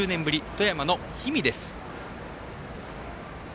富山の氷見です。